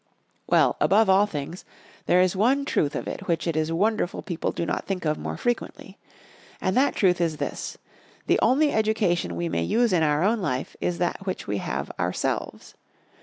Well, above all things, there is one truth of it which it is wonderful people do not think of more frequently. And that truth is this: The only education we may use in our own life is that which we have ourselves.